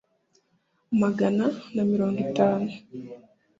magana na mirongo itanu